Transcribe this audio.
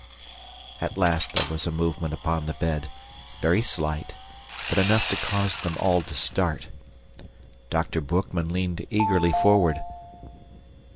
At last there was a movement upon the bed, very slight, but enough to cause them all to start. Dr. Boekman leaned eagerly forward.